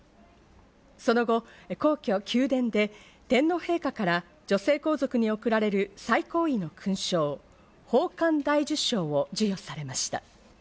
その後、皇居・宮殿で天皇陛下から女性皇族に贈られる最高位の勲章、宝冠大綬章を授与されました。